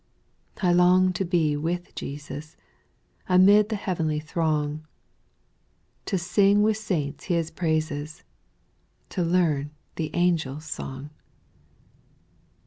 I long to be with Jesus Amid the heavenly throng, To sing with saints His praises, To learn the angels' song.